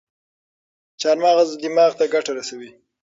چارمغز دماغ ته ګټه رسوي.